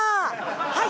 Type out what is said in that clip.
はい。